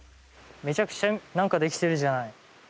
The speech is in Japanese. めちゃくちゃ何かできてるじゃない。